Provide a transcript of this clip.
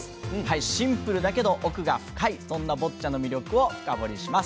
シンプルだけど奥が深いそんなボッチャの魅力を深掘りします！